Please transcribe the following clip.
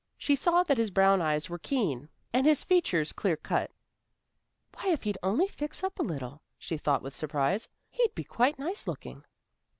She saw that his brown eyes were keen, and his features clear cut. "Why, if he'd only fix up a little," she thought with surprise, "he'd be quite nice looking."